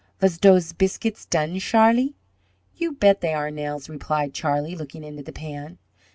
Vas dose biscuits done, Sharlie?" "You bet they are, Nels," replied Charlie, looking into the pan.